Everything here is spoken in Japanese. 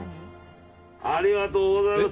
ありがとうございます。